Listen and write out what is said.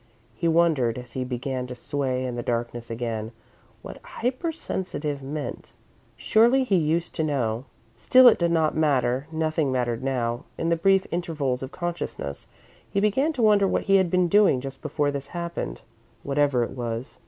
He wondered, as he began to sway in the darkness again, what "hypersensitive" meant. Surely, he used to know. Still, it did not matter nothing mattered now. In the brief intervals of consciousness, he began to wonder what he had been doing just before this happened, whatever it was.